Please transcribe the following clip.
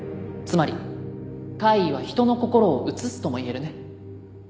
つまり怪異は人の心を映すとも言えるね。